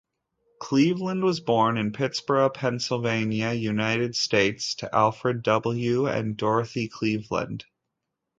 Cleveland was born in Pittsburgh, Pennsylvania, United States, to Alfred W. and Dorothy Cleveland.